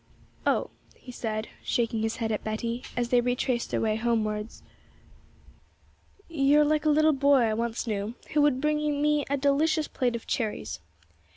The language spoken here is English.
'Oh!' he said, shaking his head at Betty as they retraced their way homewards, 'you're like a little boy I once knew, who would bring me a delicious plate of cherries.